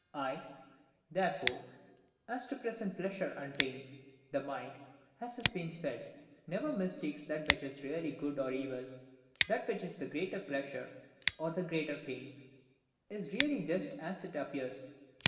(I) Therefore, as to present pleasure and pain, the mind, as has been said, never mistakes that which is really good or evil; that which is the greater pleasure, or the greater pain, is really just as it appears.